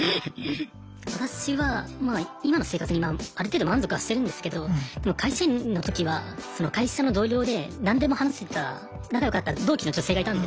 私はまあ今の生活にある程度満足はしてるんですけどでも会社員の時は会社の同僚で何でも話せた仲良かった同期の女性がいたんですよ。